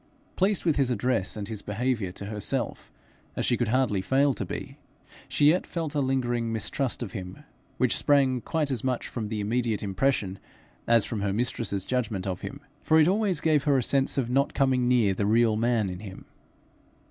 Pleased with his address and his behaviour to herself as she could hardly fail to be, she yet felt a lingering mistrust of him, which sprang quite as much from the immediate impression as from her mistress's judgment of him, for it always gave her a sense of not coming near the real man in him.